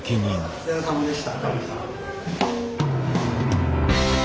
お疲れさまでした。